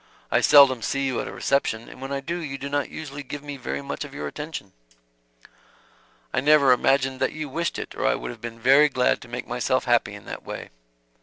I seldom see you at a reception, and when I do you do not usually give me very much of your attention." "I never imagined that you wished it or I would have been very glad to make myself happy in that way.